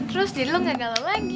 terus diri lo gak gagal lagi